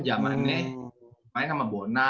jamannya main sama bona